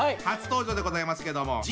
初登場でございますけども。